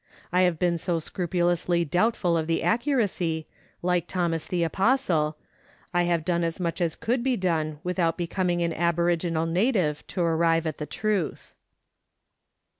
I have been so scrupulously doubtful of the accuracy, like Thomas the Apostle ; I have done as much as could be done without becoming an aboriginal native to arrive at the truth.